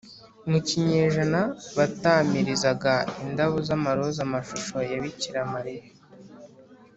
mu kinyejana batamirizaga indabo z’amaroza amashusho ya bikira mariya